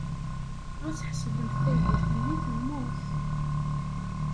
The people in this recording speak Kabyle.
Ɣas ḥsebemt taydit-nni temmut.